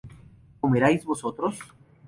¿comierais vosotros?